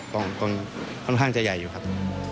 ค่อนข้างจะใหญ่อยู่ครับ